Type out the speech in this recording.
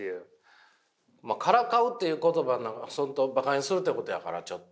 まあからかうっていうことがばかにするってことやからちょっと。